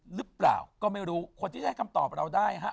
หรือเปล่าก็ไม่รู้คนที่จะให้คำตอบเราได้ฮะ